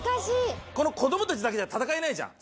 この子どもたちだけじゃ戦えないじゃん